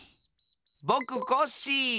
ぼくコッシー！